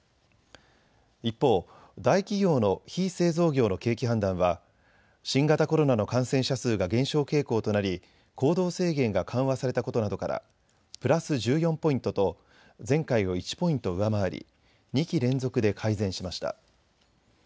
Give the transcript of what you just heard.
一方、大企業の非製造業の景気判断は新型コロナの感染者数が減少傾向となり行動制限が緩和されたことなどからプラス１４ポイントと前回を１ポイント上回り２期連続で改善しました。